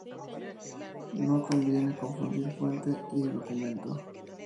No conviene confundir fuente y documento.